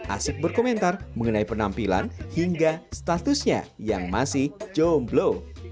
asik berkomentar mengenai penampilan hingga statusnya yang masih jomblo